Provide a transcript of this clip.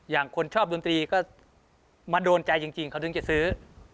คนชอบดนตรีก็มาโดนใจจริงเขาถึงจะซื้อ